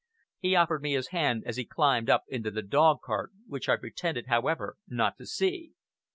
He offered me his hand as he climbed up into the dog cart, which I pretended, however, not to see.